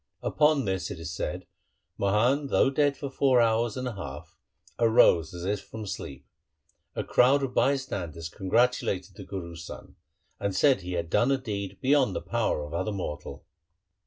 Upon this, it is said, Mohan, though dead for four hours and a half, arose as if from sleep. A crowd of bystanders congratulated the Guru's son, and said he had done a deed beyond the power of other mortal.